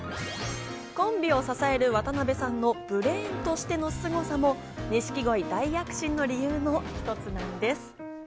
コンビを支える渡辺さんのブレーンとしてのすごさも錦鯉大躍進の理由の一つなんです。